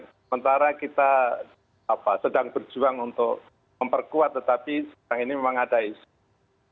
sementara kita sedang berjuang untuk memperkuat tetapi sekarang ini memang ada isu